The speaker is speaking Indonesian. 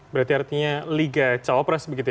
berarti artinya liga cawapres begitu ya